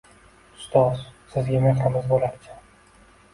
Ustoz, sizga mehrimiz bo‘lakcha...